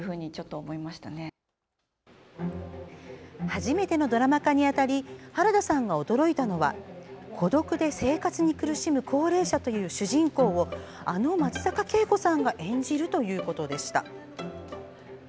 初めてのドラマ化にあたり原田さんが驚いたのは孤独で生活に苦しむ高齢者という主人公をあの松坂慶子さんが演じるということでした。